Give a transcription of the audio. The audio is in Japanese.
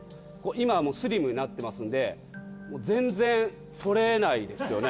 今スリムになってますんで全然取れないですよね。